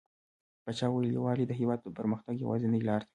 پاچا وويل: يووالى د هيواد د پرمختګ يوازينۍ لاره ده .